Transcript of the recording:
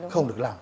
không được làm